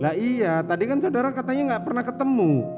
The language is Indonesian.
lah iya tadi kan saudara katanya gak pernah ketemu